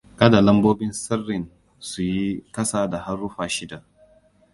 Kada lambobin sirrin su yi kasa da haruffa shida.